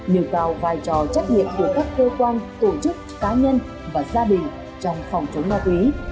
nêu cao vai trò trách nhiệm của các cơ quan tổ chức cá nhân và gia đình trong phòng chống ma túy